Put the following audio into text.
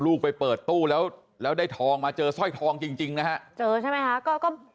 บุญหิวหมอปาบอกเขาโดนหลอก